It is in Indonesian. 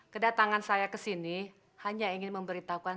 kedatangan saya kesini hanya ingin memberitahukan